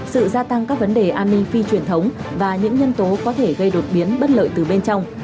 sự gia tăng các vấn đề an ninh phi truyền thống và những nhân tố có thể gây đột biến bất lợi từ bên trong